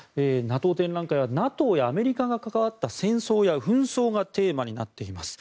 展覧会はＮＡＴＯやアメリカが関わった戦争や紛争がテーマになっています。